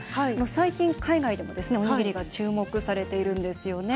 最近、海外でも、おにぎりが注目されているんですよね。